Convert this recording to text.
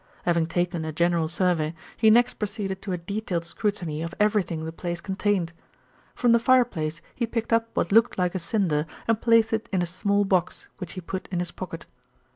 Having taken a general survey, he next proceeded to a detailed scrutiny of everything the place contained. From the fireplace he picked up what looked like a cinder and placed it in a small box, which he put in his pocket.